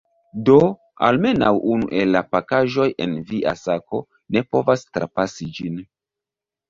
Do, almenaŭ unu el la pakaĵoj en via sako ne povas trapasi ĝin.